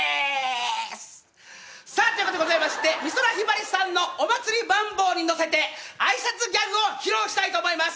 さあという事でございまして美空ひばりさんの『お祭りマンボ』にのせて挨拶ギャグを披露したいと思います。